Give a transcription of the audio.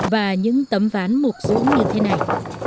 và những tấm ván mục rũ như thế này